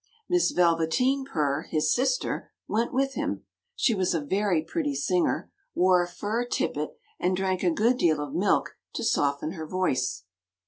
Miss Velveteen Purr, his sister, went with him, she was a very pretty singer, wore a fur tippet, and drank a good deal of milk to soften her voice.